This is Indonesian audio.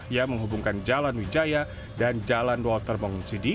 yang menghubungkan jalan wijaya dan jalan walter mongsidi